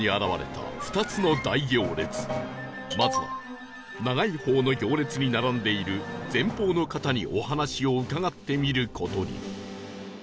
まずは長い方の行列に並んでいる前方の方にお話を伺ってみる事に